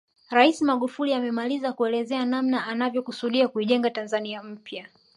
Rais Magufuli amemaliza kuelezea namna anavyokusudia kuijenga Tanzania mpya